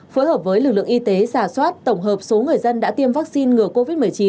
phối hợp với lực lượng y tế giả soát tổng hợp số người dân đã tiêm vaccine ngừa covid một mươi chín